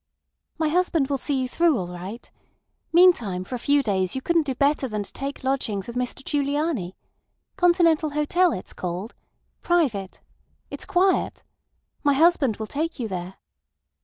"My husband will see you through all right. Meantime for a few days you couldn't do better than take lodgings with Mr Giugliani. Continental Hotel it's called. Private. It's quiet. My husband will take you there."